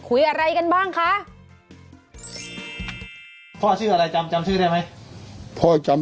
คุยอะไรกันบ้างคะ